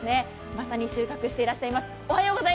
まさに収穫していらっしゃいます。